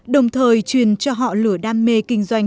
đồng thời truyền cho họ lửa đam mê kinh doanh